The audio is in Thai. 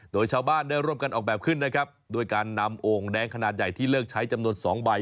โดยชาวบ้านได้ร่วมกันออกแบบขึ้นนะครับด้วยการนำโอ่งแดงขนาดใหญ่ที่เลิกใช้จำนวน๒ใบ